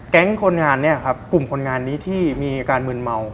คนงานเนี่ยครับกลุ่มคนงานนี้ที่มีอาการมืนเมา